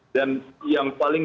dan yang paling